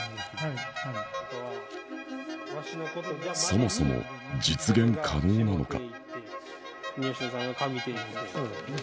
そもそも実現可能なのか？